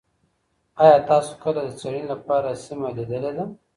ایا تاسو کله د څېړني لپاره سیمه لیدلې ده؟